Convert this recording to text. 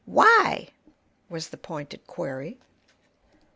"Why?" was the pointed query.